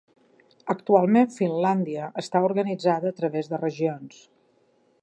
Actualment Finlàndia està organitzada a través de regions.